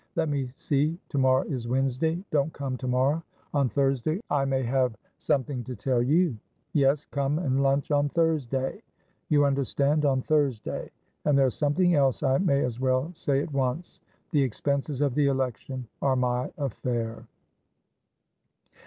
Let me see, to morrow is Wednesday; don't come to morrow. On Thursday I may have something to tell you; yes, come and lunch on Thursday. You understandon Thursday. And there's something else I may as well say at once; the expenses of the election are my affair."